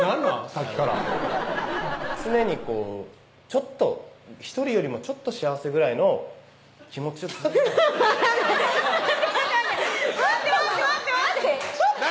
さっきから常にこうちょっと１人よりもちょっと幸せぐらいの気持ちを分かんない待って待って待って待って待って！